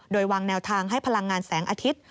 โดยวางแนวทางให้พลังงานแสงอาทิตย์